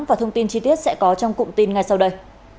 và thông tin chi tiết sẽ có trong cụm tin ngay sau đây